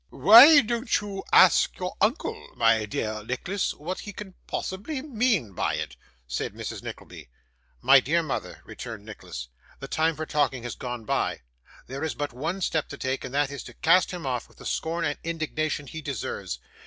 'Why don't you ask your uncle, my dear Nicholas, what he can possibly mean by it?' said Mrs. Nickleby. 'My dear mother,' returned Nicholas, 'the time for talking has gone by. There is but one step to take, and that is to cast him off with the scorn and indignation he deserves.